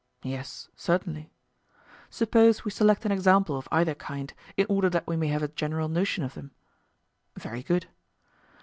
Yes, certainly. Suppose we select an example of either kind, in order that we may have a general notion of them? Very good.